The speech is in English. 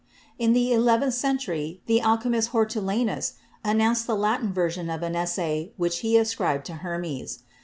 In the eleventh century the alchemist Hortulanus an nounced the Latin version of an essay which he ascribed to Hermes.